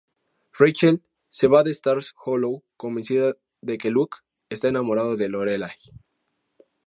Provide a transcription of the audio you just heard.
Rachel se va de Stars Hollow, convencida de que Luke está enamorado de Lorelai.